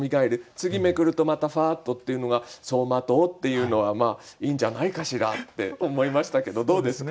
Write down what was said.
次めくるとまたふわっとっていうのが「走馬灯」っていうのはいいんじゃないかしらって思いましたけどどうですか？